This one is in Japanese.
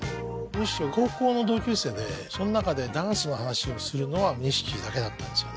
ニシキは高校の同級生でその中でダンスの話をするのはニシキだけだったんですよね。